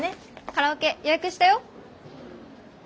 カラオケ予約したよ。